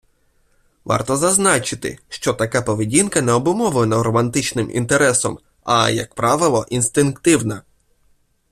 Варто зазначити, що така поведінка не обумовлена романтичним інтересом, а, як правило, інстинктивна.